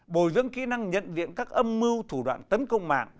bồi dưỡng kỹ năng nhận diện các âm mưu thủ đoạn tấn công mạng